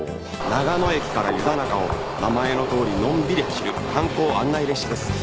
長野駅から湯田中を名前のとおりのんびり走る観光案内列車です。